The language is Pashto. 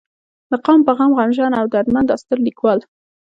د قام پۀ غم غمژن او درمند دا ستر ليکوال